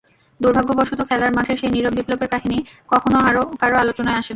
দুর্ভাগ্যবশত খেলার মাঠের সেই নীরব বিপ্লবের কাহিনি কখনো কারও আলোচনায় আসে না।